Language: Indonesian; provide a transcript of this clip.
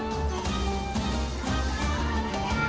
kedung asem kecamatan klausan